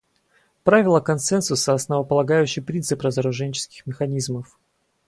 Правило консенсуса − основополагающий принцип разоруженческих механизмов.